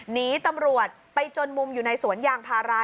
หนีตำรวจไปจนมุมอยู่ในสวนยางพารา